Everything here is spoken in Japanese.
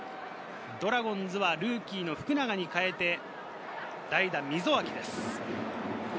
ドラゴンズはルーキー・福永に代えて代打・溝脇です。